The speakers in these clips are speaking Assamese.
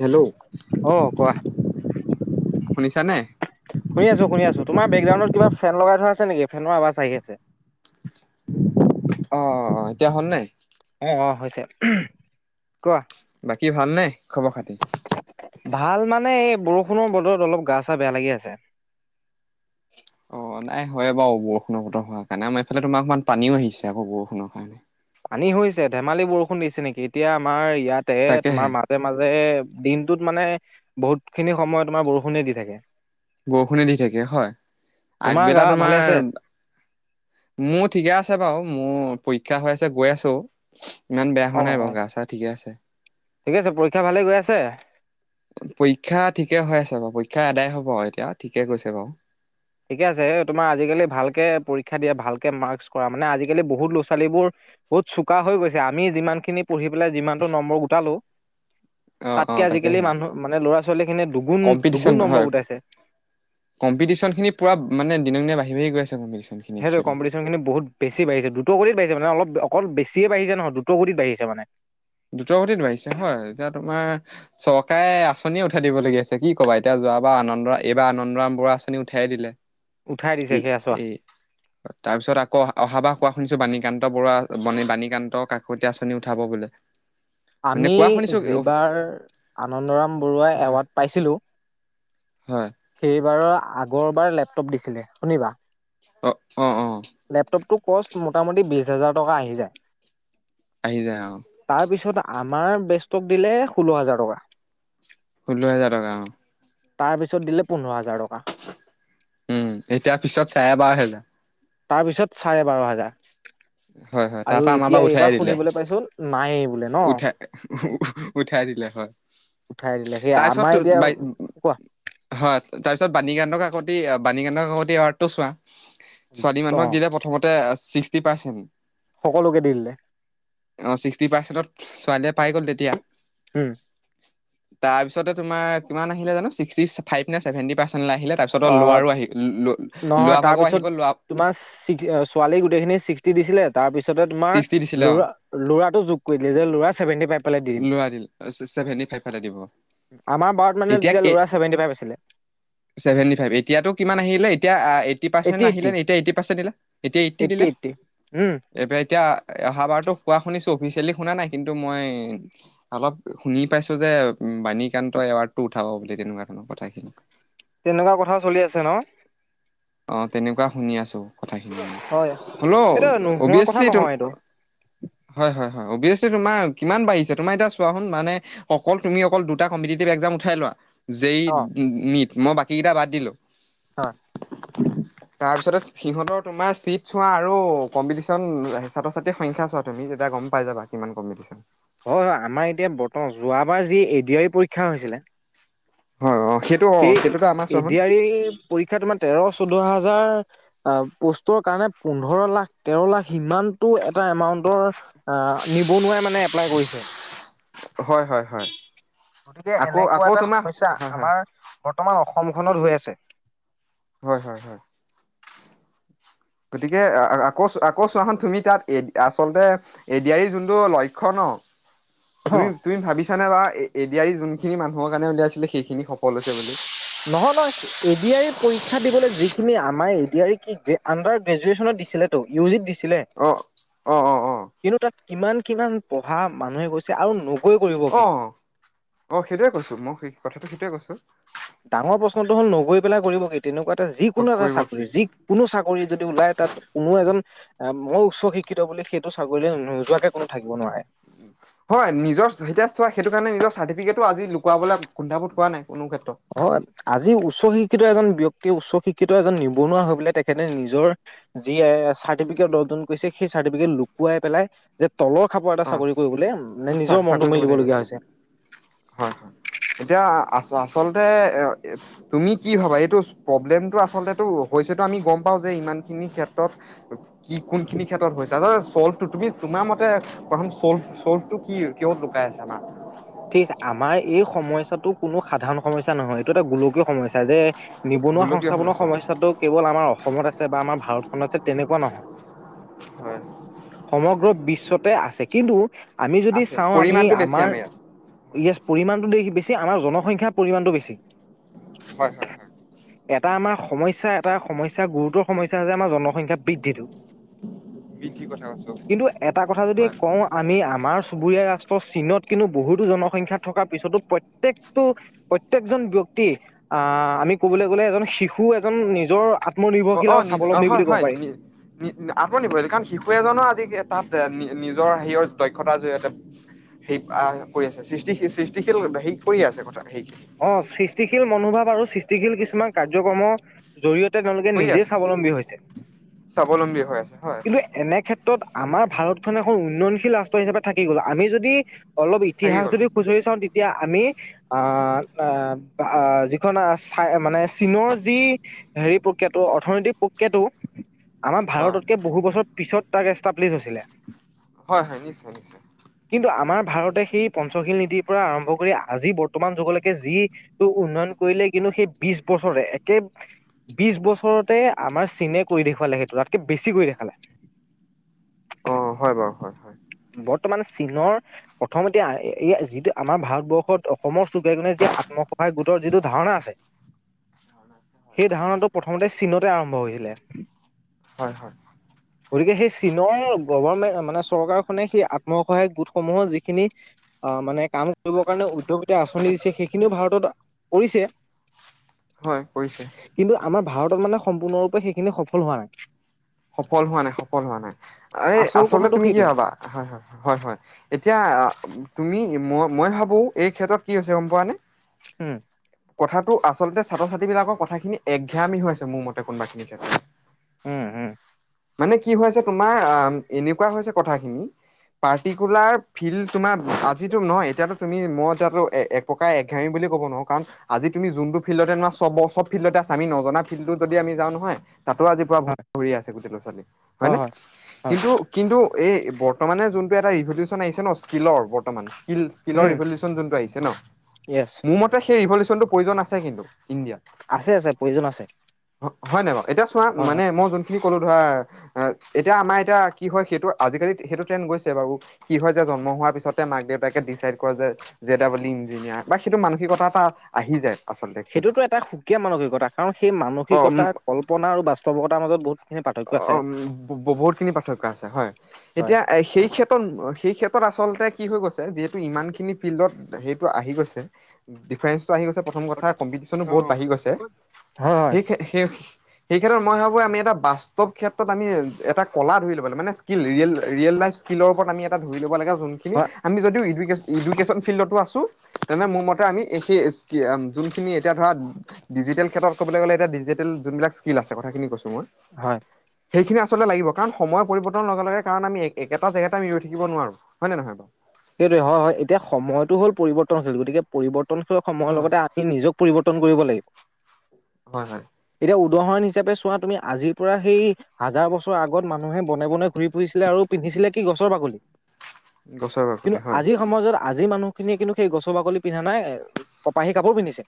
হেল্ল' অ কোৱা শুনিছানে? শুনি আছো শুনি আছো তোমাৰ বেকগ্ৰাউণ্ডত কিবা ফেন লগাই থোৱা আছে নেকি ফেনৰ আৱাজ আহি আছে। অ', অ', অ', এতিয়া হ'ল নাই? অ', অ', হৈছে কোৱা? বাকী ভালনে খবৰ-খাতি? ভাল মানে এই বৰষুণৰ বতৰত অলপ গা চা বেয়া লাগি আছে। অ', নাই হয় বাৰু বৰষুণৰ বতৰ হোৱাৰ কাৰণে আমাৰ এইফালে তোমাৰ ইমান পানীও আহিছে আকৌ বৰষুণৰ কাৰণে। পানী হৈছে ধেমালি বৰষুণ দিছে নেকি এতিয়া আমাৰ ইয়াতে তোমাৰ তাকেহে মা মাজে মাজে দিনটোত মানে বহুত খিনি সময় তোমাৰ বৰষুণে দি থাকে। বৰষুণে দি থাকে হয়, তোমাৰ গা আগবেলা ভালে আছে তোমাৰ মোৰ ঠিকে আছে বাৰু মোৰ পৰীক্ষা হৈ আছে গৈ আছো। ইমান বেয়া অ হোৱা নাই অ বাৰু গা চা ঠিকে আছে। ঠিক আছে পৰীক্ষা ভালে গৈ আছে? পৰীক্ষা ঠিকে হৈ আছে বাৰু পৰীক্ষা আদাই হ'ব আৰু এতিয়া ঠিকে কৈছে বাৰু। ঠিকে আছে তোমাৰ আজিকালি ভালকৈ পৰীক্ষা দিয়া ভালকৈ মাৰ্কছ কৰা মানে আজিকালি বহুত ল'ৰা-ছোৱালীবোৰ বহুত চোকা হৈ গৈছে আমি যিমান খিনি পঢ়ি পেলাই যিমানতটো নম্বৰ গোটালো অ অ তাতকে আজিকালি তাকেহে মানুহ মানে ল'ৰা ছোৱালী খিনিৱে দুগুণ দুগুণ নম্বৰ গোটাইছে কম্পিটিচনখিনি পূৰা মানে দিনক দিনে বাঢ়ি বাঢ়ি গৈ আছে কম্পিটিচন সেইটোৱে কম্পিটিচন [unintelligible] ‌ বহুত বেছি বাঢিছে দ্ৰুত গতিত বাঢ়িছে মানে অলপ অকল বেছিয়েই বাঢ়িছে নহয় দ্ৰুত গতিত বাঢ়িছে মানে দ্ৰুতগতিত বাঢ়িছে হয় এতিয়া তোমাৰ চৰকাৰে আঁচনিয়েই উঠাই দিবলগীয়া হৈছে কি কবা এতিয়া যোৱাবাৰ আনন্দ এইবাৰ আনন্দৰাম বৰুৱা আঁচনি উঠায়ে দিলে উঠাই দিছে এ সেই আঁচোৱা। এই তাৰপিছত আকৌ অহাবাৰ কোৱা শুনিছো বাণীকান্ত বৰুৱা বাণীকান্ত কাকতি আঁচনি উঠাব বোলে মানে আমি কোৱা শুনিছো যিবাৰ আনন্দৰাম বৰুৱা এৱাৰ্ড পাইছিলোঁ হয় সেইবাৰৰ আগৰবাৰ লেপটপ দিছিলে শুনিবা অ অ' অ' লেপটপটোৰ কষ্ট মোটামুটি বিশ হাজাৰ টকা আহি যায় আহি যায় অ' তাৰপিছত আমাৰ বেচটোক দিলে ষোল্ল হাজাৰ টকা ষোল হাজাৰ টকা অ' তাৰ পিছত দিলে পোন্ধৰ হাজাৰ টকা উম এতিয়া পিছত চাৰে বাৰ হাজাৰ তাৰ পিছত চাৰে বাৰ হাজাৰ হয় হয় তাৰ আৰু পৰা আমাৰ এতিয়া বাৰু উঠাই এইবাৰ দিলে শুনিবলৈ পাইছো নাইয়ে উঠাই উঠাই দিলে হয় উঠাই দিলে সেই তাৰছত আমাৰ তোৰ এতিয়া বাই কোৱা হয় তাৰ পিছত বাণীকান্তক কাকতি বাণীকান্ত কাকতি এৱাৰ্ডটো চোৱা ছোৱালী অ মানুহক দিলে প্ৰথ মতে ছিক্সটি পাৰ্চেণ্ট সকলোকে দি দিলে অ ছিক্সটি পাৰ্চেন্টত ছোৱালীয়ে পাই গ'ল তেতিয়া উম তাৰপিছতে তোমাৰ কিমান আহিলে জানো ছিক্সটি ফাইভ নে চেভেণ্টি পাৰ্চেণ্ট লৈ আহিলে তাৰপিছত তে অ ল'ৰাৰো আহি ল' ল' নহয় ল'ৰাৰ‌ ভাগৰো তাৰপিছত আহি গ'ল ল'ৰা তোমাৰ ছিকচ‌ ছোৱালী গোটেইখিনি ছিক্সটি দিছিলে তাৰপিছতে তোমাৰ ছিক্সটি দিছিলে অ' ল'ৰা ল'ৰাটো যোগ কৰি দিলে যে ল'ৰা ছেভেন্টি ফাইভ পালে দি দিম চে চেভেনটি ফাইভ পালে দিব আমাৰ বাৰত মানে এতিয়া তেতিয়া এ ল'ৰা ছেভেণ্টি ফাইভ আছিলে ছেভেণ্টি ফাইভ এতিয়াতো কিমান আহিলে এতিয়া আ এইটি পাৰ্চেন্ট এইট্টি এইট্টি আহিলে এতিয়া এইটি পাৰ্চেন্ট দিলে, এতিয়া এইটি এইট্টি দিলে এইট্টি উম এইবাৰ এতিয়া অহা বাৰতো কোৱা শুনিছো অফিচিয়েলি শুনা নাই কিন্তু মই অলপ শুনি পাইছো যে বাণীকান্ত এৱাৰ্ডটো উঠাব বুলি তেনেকুৱা ধৰণৰ কথাখিনি তেনেকুৱা কথা চলি আছে ন অ' তেনেকুৱা শুনি আছোঁ কথাখিনি মানে। হয় হ'লেও এইটো নোহোৱা কথা অবিয়াছলি তোম নহয় এইটো হয় হয় হয় অবিয়াচলি তোমাৰ কিমান বাঢ়িছে তোমাৰ এতিয়া চোৱা চোন মানে অকল তুমি অকল দুটা কম্পিটিটিভ একজাম উঠাই লোৱা জেই অ নিট মই বাকী কিটা বাদ দিলো অ [inaudible] তাৰপিছতে সিহঁতৰ তোমাৰ চিট চোৱা আৰু কম্পিটিশন ছাত্ৰ ছাত্ৰীৰ সংখ্যা চোৱা তুমি যেতিয়া গম- পাই যাবা কিমান কম্পিটিশ্যন। হয়, হয়, আমাৰ এতিয়া বৰ্তমান যোৱাবাৰ যি এ ডি আৰ ই পৰীক্ষা হৈছিলে। হয় অ', সেইটো অ', সেই সেইটোতো আমাৰ এ চোৱা ডি শোন আৰ ই পৰীক্ষা তোমাৰ তেৰ চৈধ্য হাজাৰ অহ, প'ষ্টৰ কাৰণে পোন্ধৰ লাখ তেৰ লাখ সিমানটো এটা এমাউন্টৰ অ', নিবনুৱাই মানে এপ্লাই কৰিছে। হয় হয় হয় গতিকে আকৌ এনেকুৱা আকৌ এটা তোমাৰ সমস্যা হয় হয় আমাৰ বৰ্তমান অসমখনত হৈ আছে। হয়, হয়, হয়। গতিকে আকৌ আকৌ চোৱাখন তুমি তাত এ আচলতে এ ডি আৰ ইৰ যোনটো লক্ষ্য ন'। অ তুমি তুমি ভাবিছা নে বা এ ডি আৰ ই যোনখিনি মানুহৰ কাৰণে উলিয়াইছিলে সেইখিনি সফল হৈছে বুলি? নহয়, নহয়। এ ডি আৰ ই পৰীক্ষা দিবলৈ যিখিনি আমাৰ এ ডি আই ই কি আডাৰ গ্ৰেজুৱেচনত দিছিলে ইউ জিত দিছিলে। অ', অ', অ'। অ কিন্তু তাত কিমান কিমান পঢ়া মানুহে গৈছে আৰু ন অ', অ', সেইটোৱে কৈছো মই সেই কথাটো সেইটোৱে কৈছো। ডাঙৰ প্ৰশ্নটো হ'ল নগৈ পেলাই কৰিব কি তেনেকুৱা এটা যিকোনো এটা কৰিব কি চাকৰি যি কোনো চাকৰি যদি ওলায় তাত কোনো এজন অ', মই উচ্চ শিক্ষিত বুলি সেইটো চাকৰি নোযোৱাকে কোনো থাকিব নোৱাৰে। হয়, নিজৰ এতিয়া চোৱা সেইটো কাৰণে নিজৰ চাৰ্টিফিকেটটো আজি লুকাবলৈ কুণ্ঠাবোধ কোৱা নাই কোনো ক্ষেত্ৰত। অ', আজি উচ্চ শিক্ষিত এজন ব্যক্তি উচ্চ শিক্ষিত এজন নিবনুৱা হৈ পেলাই তেখেতে নিজৰ যিয়ে চাৰ্টিফিকেট অৰ্জন কৰিছে সেই চাৰ্টিফিকেট লুকুৱাই পেলাই যে তলৰ খাপৰ এটা অ চাকৰি কৰিবলৈ মানে নিজৰ মনটো চাকৰি কৰিবলৈ মেলিবলগীয়া গৈছে হৈছে। হয়, হয়, এতিয়া আ আচলতে এ তুমি কি ভাবা এইটো প্ৰব্লেমটো আচলটো হৈছেতো আমি গম পাওঁ যে ইমানখিনি ক্ষেত্ৰত কি কোনখিনি ক্ষেত্ৰত হৈছে চলটো তুমি তোমাৰ মতে প্ৰথম চ'ল চ'লটো কি কিহত লুকাই আছে আমাৰ? ঠিক আছে, আমাৰ এই সমস্যাটো কোনো সাধাৰণ সমস্যা নহয় এইটো এটা গোলকীয় সমস্যা যে নিবনুৱা গোলকীয় সংস্থাপনৰ সমস্যা সমস্যাটো কেৱল আমাৰ অসমত আছে বা আমাৰ ভাৰতখনত আছে তেনেকুৱা নহয়। হয়। সমগ্ৰ বিশ্বতে আছে কিন্তু আমি যদি আছে চাওঁ আমি পৰিমাণটো বেছি আমাৰ ইয়াত য়েছ পৰিমাণটো দে বেছি আমাৰ জনসংখ্যাৰ পৰিমাণটো বেছি। হয়, হয়, হয়। এটা আমাৰ সমস্যা এটা সমস্যা গুৰুতৰ সমস্যা হৈছে আমাৰ জনসংখ্যা বৃদ্ধিটো। বৃদ্ধিৰ কথা কৈছো কিন্তু এটা কথা যদি হয় কওঁ আমি আমাৰ চুবুৰীয়া ৰাষ্ট প চীনত কিন্তু বহুতো জনসংখ্যা থকাৰ পিছতো প্ৰত্যেকটো প্ৰত্যেকজন ব্যক্তি অহ, আমি ক'বলৈ গ'লে এজন শিশু এজন নিজৰ অ অ নিৰ্ভৰশীলতা আৰু নিজ অ স্বাৱলম্বী হয় বুলি ক'ব হয় পাৰি। নি আত্মনিৰ্ভৰশীল কাৰণ শিশু এজনো আজি তাত নিজৰ হেৰ দক্ষতাৰ জৰিয়তে সেই আহ, কৰি আছে সৃষ্টি সৃষ্টিশীল হে কৰিয়ে আছে কথা সেই অ', সৃষ্টিশীল মনোভাৱ আৰু সৃষ্টিশীল কিছুমান কাৰ্যক্ৰমৰ জৰিয়তে তেওঁলোকে কৰিয়ে নিজে আছে স্বাৱলম্বী হৈছে স্বাৱলম্বী হৈ আছে হয় কিন্তু এনে ক্ষেত ত্ৰত আমাৰ ভাৰতখন এখন উন্নয়নশীল ৰাষ্ট্ৰ হিচাপে থাকি গ'ল, আমি যদি অলপ থাকি ইতিহাস গলো যদি খুচৰি চাওঁ তেতিয়া আমি অহ আহ যিখন চাই মানে চীনৰ যি হেৰি প্ৰক্ৰিয়াটো অৰ্থনৈতিক প্ৰক্ৰিয়াটো আমাৰ হয় ভাৰততকে বহু বছৰ পিছত তাক এষ্টাব্লিছ হৈছিলে। হয় হয়, নিশ্চয় নিশ্চয়। কিন্তু আমাৰ ভাৰতে সেই পঞ্চশীল নীতিৰ পৰা আৰম্ভ কৰি আজি বৰ্তমান যুগলৈ কে, যিটো উন্নয়ন কৰিলে কিন্তু সেই বিশ বছৰে একে বিশ বছৰতে আমাৰ চীনে কৰি দেখুৱালে সেইটো তাতকে বেছি কৰি দেখালে। অঁ, হয় বাৰু, হয় হয়। বৰ্তমান চীনৰ প্ৰথম এতিয়া এই যিটো আমাৰ ভাৰতবৰ্ষত অসমৰ চুকে কোণে এতিয়া আত্মসহায়ক গোটৰ যিটো ধাৰণা আছে। সেই ধাৰণাটো প্ৰথমতে চীনতে আৰম্ভ হৈছিলে। হয়, হয়। গতিকে সেই চীনৰ গৰ্ভমে মানে চৰকাৰখনে সেই আত্মসহায়ক গোটসমূহৰ যিখিনি অ', মানে কাম কৰিবৰ কাৰণে উদ্যোগমিতা আঁচনি দিছে সেই খিনিও, ভাৰতত কৰিছে। হয়, কৰিছে। কিন্তু আমাৰ ভাৰতত মানে সম্পূৰ্ণৰূপে সেইখিনি সফল হোৱা নাই। সফল হোৱা নাই, সফল হোৱা নাই। এই আচল আচলতে কথাটো তুমি কি সেইটো ভাৱা? হয়, হয়, হয়, হয়। এতিয়া তুমি ম মই মই ভাৱোঁ এই ক্ষেত্ৰত কি হৈছে গম পোৱা নে? উম কথাটো আচলতে ছাত্ৰ ছাত্ৰী বিলাকৰ কথাখিনি একঘেয়ামী হৈছে, মোৰ মতে কোনোবাখিনি ক্ষেত্ৰত। উম, উম। মানে কি হৈ আছে তোমাৰ এনেকুৱা হৈছে কথাখিনি পাৰ্টিকুলাৰ ফিল্ড তোমাৰ আজিতো নহয়, এতিয়ো তুমি মই এতিয়াটো এ এক প্ৰকাৰে একঘেয়ামী বুলি ক'ব নোৱাৰো কাৰণ আজি তুমি যোনটো ফিল্ডতে নোৱা চব, চব ফিল্ডতে আছা, আমি নজনা ফিল্ডো যদি আমি যাওঁ নহয় তাতো আজি পৰা হয় ভৰি আছে গোটেই ল'ৰা ছোৱালী। হয় নে? হয় কিন্তু, কিন্তু এই বৰ্তমানে যোনটো এটা ৰিভলিউচন আহিছে ন স্কিলৰ বৰ্তমান স্কিলচ স্কিলৰ ৰিভলিউচন যোনটো আহিছে ন। ইয়েচ। মোৰ মতে সেই ৰিভলিচনটো প্ৰয়োজন আছে কিন্তু ইণ্ডিয়াত। আছে আছে প্ৰয়োজন আছে হয় নাই বাৰু? এতিয়া চোৱা, হয় হয় মানে মই যোনখিনি কলো ধৰা আ, এতিয়া আমাৰ এতিয়া কি হয় সেইটো আজিকালি সেইটো ট্ৰেন গৈছে বাৰু। কি হয় যে জন্ম হোৱাৰ পিছতে মাক দেউতাকে ডিচাইড কৰে যে যে তা বুলি ইঞ্জিনিয়াৰ বা সেইটো মানসিকতা এটা আহি যায়। আচলতে একচুৱেলি সেইটোতো এটা সুকীয়া মানসিকতা, কাৰণ সেই অ মানসিকতা কল্পনা আৰু বাস্তৱতাৰ মাজত বহুত অঁ, ব বহুতখিনি পাৰ্থক্য আছে হয়। হয়। এতিয়া সেই ক্ষে ত্ৰত, সেই ক্ষেত্ৰত আচলতে কি হৈ গৈছে, যিহেতু ইমানখিনি ফিল্ডত সেইটো আহি গৈছে। ডিফাৰেন্ঞ্চটো আহি গৈছে, প্ৰথম কথা কম্পিটিচনো হয় বহুত বাঢ়ি গৈছে। হয় সেই সেই সেই ক্ষেত্ৰত মই ভাবোঁ আমি এটা বাস্ত ব, ক্ষেত্ৰত আমি এটা কলা ধৰি লব লাগিব, মানে স্কিল ৰিয়েল ৰিয়েল লাইফ স্কিলৰ ওপৰত আমি এটা ধৰি ল'ব লাগে। হয় [unintelligible] আমি যদিও এডু ইডুকেশ্যন ফিল্ডতো আছো, তেনে মোৰ মতে আমি সেই যোনখিনি এতিয়া ধৰা ডিজিটেল ক্ষেত্রত ক'বলৈ গ'লে এতিয়া ডিজিটেল যোনবিলাক স্কিল আছে কথাখিনি কৈছো মই। হয়। সেইখিনি আচলতে লাগিব কাৰণ সময়ৰ পৰিৱৰ্তন লগে লগে কাৰণ আমি একে একেটা জেগাতে আমি ৰৈ থাকিব নোৱাৰো। হয় নে নহয় বাৰু? সেইটোৱে, হয় হয়, এতিয়া সময়টো হ'ল পৰিৱৰ্তনশীল, গতিকে পৰিৱৰ্তনশীল সময়ৰ লগতে আমি নিজক পৰিৱৰ্তন কৰিব লাগিব। হয় হয়। এতিয়া উদাহৰণ হিচাপে চোৱা তুমি আজিৰ পৰা সেই হাজাৰ বছৰ আগত মানুহে বনে বনে ঘূৰি ফুৰিছিলে আৰু পিন্ধিছিলে কি গছৰ বাকলি। গছৰ বাকলি। কিন্তু হয় আজিৰ সমাজত আজিৰ মানুহখিনিয়ে কিন্তু সেই গছ বাকলি পিন্ধা নাই কপাহী কাপোৰ পিন্ধিছে।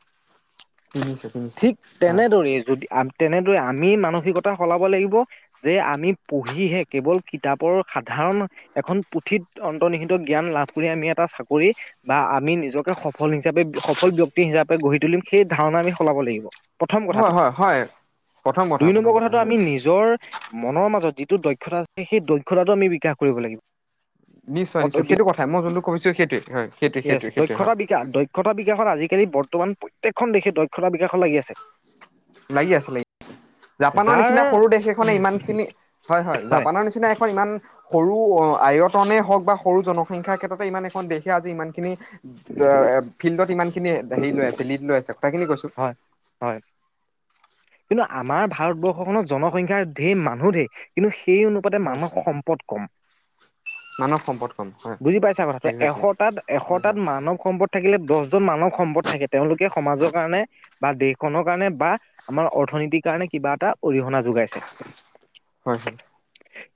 কিনিছে কিনিছে ঠিক হয় তেনেদৰেই যদি আ তেনেদৰে আমি মানসিকতা সলাব লাগিব- যে আমি পঢ়িহে কেৱল কিতাপৰ সাধাৰণ এখন পুথিত অন্তৰ্নিহিত জ্ঞান লাভ কৰি আমি এটা চাকৰি বা আমি নিজকে সফল হিচাপে সফল ব্যক্তি হিচাপে গঢ়ি তুলিম- সেই ধাৰণা আমি সলাব লাগিব প্ৰথম কথা। হয় হয় হয়। প্ৰথম কথা দুই প্ৰথম নম্বৰ কথা কথাটো হয় আমি নিজৰ মনৰ মাজত যিটো দক্ষতা আছে সেই দক্ষতাটো আমি বিকাশ কৰিব লাগিব। নিশ্চয় নিশ্চয় সেইটো কথাই। মই যোনটো কৈছো সেইটোৱে হয়। সেইটোৱে সেইটোৱে [unintelligible] সেইটোৱে হয় দক্ষতা বিকাশ দক্ষতা বিকাশত আজিকালি বৰ্তমান প্ৰত্যেকখন দেশে দক্ষতা বিকাশত লাগি আছে। লাগে আছে-লাগি আছে। জাপানৰ যাৰ নিচিনা সৰু দেশ এখনে উম ইমান খিনি হয়-হয়। হয় জাপানৰ নিচিনা এখন ইমান- সৰু আয়তনে হওঁক বা সৰু জনসংখ্যাৰ ক্ষেত্ৰতে ইমান এখন দেশে আজি ইমান- ফিল্ডত ইমানখিনি হেৰি লৈ আছে লিড লৈ আছে কথাখিনি কৈছোঁ। হয়। কিন্তু আমাৰ ভাৰতবৰ্ষখনত জনসংখ্যা ধেৰ মানুহ ধেৰ কিন্তু সেই অনু- পাতে হয় মানৱ সম্পদ কম। মানৱ সম্পদ কম হয় বুজি পাইছা কথাটো, একজেক্টলি হয় এশটাত‍-এশটাত হয় মানৱ সম্পদ- থাকিলে দহজন মানৱ সম্পদ থাকে। তেওঁলোকে সমাজৰ কাৰণে বা দেশখনৰ কাৰণে বা আমাৰ অৰ্থনীতিৰ কাৰণে কিবা এটা অৰিহণা যোগাইছে। হয়।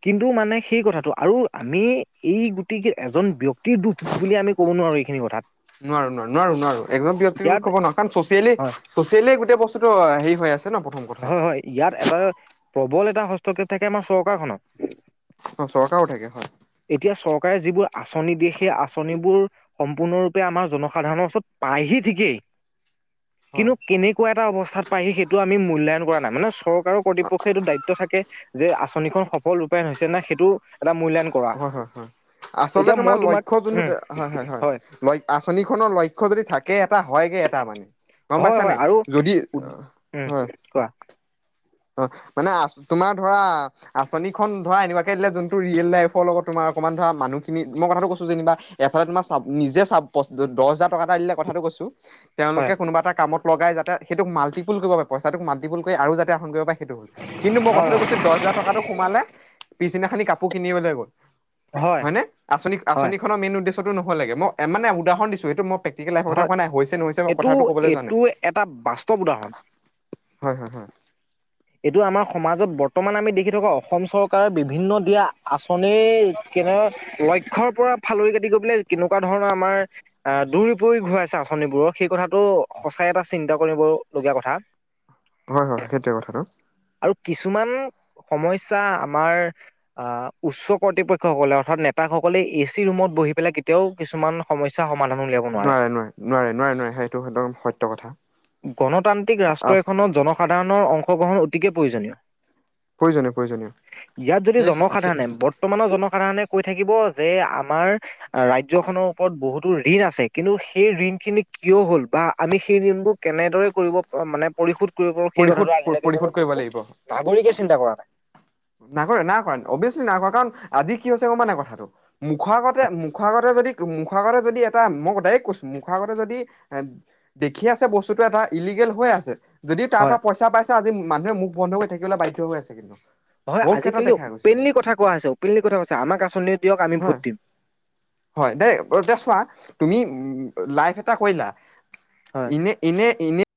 কিন্তু মানে সেই কথাটো আৰু আমি এই গোটেই এজন ব্যক্তিৰ দুখ- বুলি আমি ক'ব নোৱাৰো এইখিনি কথা- নোৱাৰো-নোৱাৰো-নোৱাৰো-নোৱাৰো। একদম ব্যক্তিৰ ক'ব ন' কাৰণ চ'চিয়েলি- হয় ছ'চিয়েলি গোটেই বস্তুটো হেৰি হৈ আছে ন প্ৰথম। কথা হয় হয়। ইয়াত এটা প্ৰবল এটা হস্তক্ষেপ থাকে আমাৰ চৰকাৰখনৰ। অ, চৰকাৰো থাকে হয়। এতিয়া চৰকাৰে যিবোৰ আঁচনি দিয়ে সেই আঁচনিবোৰ- সম্পূৰ্ণৰূপে আমাৰ জনসাধাৰণৰ ওচৰত পায়হি ঠিকেই। হয় কিন্তু কেনেকুৱা এটা অৱস্থাত পায়হি সেইটো আমি মূল্যায়ন কৰা নাই মানে চ ৰকাৰ কৰ্তৃপক্ষৰ এইটো দায়িত্ব থাকে যে আঁচনিখন সফল ৰূপায়ন হৈছে না সেইটো এটা মূল্যায়ন কৰা। হয় হয় হয়। আচলতে এতিয়া তোমাৰ মই তোমাক লক্ষ্য উম যোনটো, হয় হয় হয়। ল আঁচনিখনৰ লক্ষ্য যদি থাকে এটা হয়গে এটা মানে। গম হয় পাইছা হয় নাই, আৰু যদি, উম হয়। কোৱা অ, মানে আ তোমাৰ ধৰা আঁচনিখন ধৰা এনেকুৱাকে দিলে যোনটো ৰিয়েল লাইফ- লগত তোমাৰ অকণমান ধৰা মানুহখিনি, মই কথাটো কৈছো যেনিবা এফালে তোমাৰ নিজে- দহ হাজাৰ টকা এটা দিলে কথাটো কৈছো। হয় তেওঁলোকে কোনোবা এটা কামত লগাই যাতে, সেইটোক মাল্টিপুল কৰিব পাৰি। পইচাটোক মাল্টিপুল কৰি আৰু যাতে আহৰণ কৰিব পাৰে সেইটো, কিন্তু মই কথাটো কৈছো দহ হাজাৰ টকাটো সোমালে পিছদিনাখিনি কাপোৰ কিনিবলৈ গ'ল। হয় নে, আঁচনি হয় আচনিখনৰ মেইন উদ্দেশ্যটো নহ'লেগে মই মানে উদাহৰণ দিছো, সেইটো মই প্ৰেক টিকেল লাইফৰ কথা হয় কোৱা নাই, হৈছে নহৈছে মই এইটো কথাটো ক'বলৈ যোৱা নাই। এইটো এটা বাস্তৱ উদাহৰণ হয়, হয়, হয়। এইটো আমাৰ সমাজত বৰ্তমান আমি দেখি থকা অসম চৰকাৰৰ বিভিন্ন দিয়া, আঁচনিৰ কিবা লক্ষ্যৰ পৰা ফালৰি কাটি গৈ পেলাই কেনেকুৱা ধৰণৰ আমাৰ আহ দূৰি পৰি ঘূৰাইছে আঁচনিবোৰৰ, সেই কথাটো সঁচাই এটা চিন্তা কৰিবলগীয়া কথা। হয়, হয় সেইটোৱে কথাটো। আৰু কিছুমান সমস্যা আমাৰ আহ উচ্চ কৰ্তৃপক্ষসকলে। অৰ্থাৎ নেতাসকলে এচি ৰুমত বহি পেলাই কেতিয়াও, কিছুমান সমস্যা সমাধান উলিয়াব নোৱাৰে। নোৱাৰে। নোৱাৰে, নোৱাৰে সেইটো একদম সত্য কথা। গণতান্ত্ৰিক ৰাষ্ট্ৰ এখনত, জনসাধাৰণৰ অংশগ্ৰহণ অতিকে প্ৰয়োজনীয়। প্ৰয়োজনীয় প্ৰয়োজনীয়। ইয়াত যদি সেই জনসাধাৰণে বৰ বৰ্তমানৰ জনসাধাৰণে কৈ থাকিব, যে আমাৰ অ' ৰাজ্যখনৰ ওপৰত বহুতো ঋণ আছে, কিন্তু সেই ঋণ খিনি কিয় হ'ল বা আমি সেই ঋণবোৰ কেনেদৰে কৰিব, মানে পৰিশোধ কৰিব পাৰো সেই পৰিশোধ কথাটো আজিলৈকে কিন্তু পৰিশোধ কৰিব লাগিব। বহুত নাগৰিকে চিন্তা কৰা নাই। নকৰে, নাই কৰা অভিয়াচলি না কৰা কাৰণ আজি কি হৈছে গ মানে কথাটো। মুখাৰ আগতে, মুখাৰ আগতে যদি মুখৰ আগতে যদি এটা, মই ডাইৰেক্ট কৈছোঁ মুখৰ আগতে যদি এ দেখি আছে বস্তুটো এটা ইলিগেল হৈ আছে, যদিও তাৰ হয় পৰা পইচা পাইছে, আজি মানুহে মুখ বন্ধ হৈ থাকিবলৈ বাধ্য হৈ আছে কিন্তু। হয় বহুত ক্ষেত্ৰত আজিকালি দেখা গৈছে মোৰ অপেনলি কথা কোৱা হৈছে, অপেনলি কথা কৈছে আমাক আঁচনিও দিয়ক, আমি ভোট হয় দিম। হয় দেই, এতিয়া চোৱা তুমি লাইভ এটা কৰিলা হয় এনে এনে, এনে